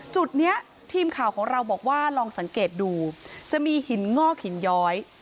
จุดนี้ทีมข่าวของเราบอกว่าลองสังเกตดูจะมีหินงอกหินย้อย